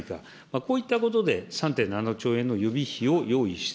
こういったことで３．７兆円の予備費を用意した